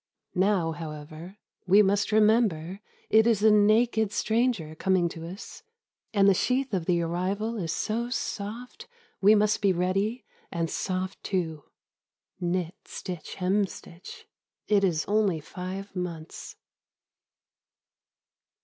Now, however, We must remember it is a naked stranger Coming to us, and the sheath of the arrival 52 Harsk, Harsk Is so soft we must be ready, and soft too. Knit, stitch, hemstitch, it is only five months.